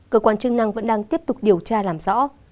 cơ quan chức năng vẫn đang tiếp tục điều tra làm rõ